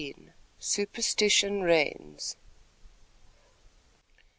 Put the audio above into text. SUPERSTITION REIGNS.